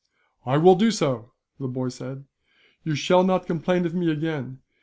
"I will do so," the boy said. "You shall not complain of me, again.